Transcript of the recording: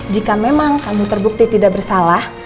jika memang kamu terbukti tidak bersalah